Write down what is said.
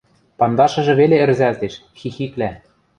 Пандашыжы веле ӹрзӓлтеш, хихиклӓ.